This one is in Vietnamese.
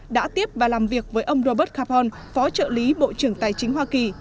đã tiếp và làm việc với ông robert capone phó trợ lý bộ trưởng tài chính hoa kỳ